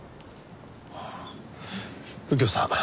右京さん